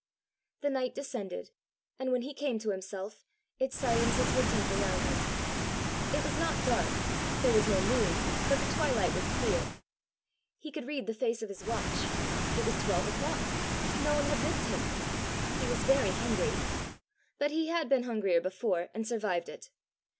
The night descended, and when he came to himself, its silences were deep around him. It was not dark: there was no moon, but the twilight was clear. He could read the face of his watch: it was twelve o'clock! No one had missed him! He was very hungry! But he had been hungrier before and survived it!